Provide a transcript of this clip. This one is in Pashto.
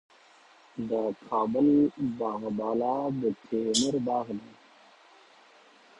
د کابل باغ بالا د تیموري باغ دی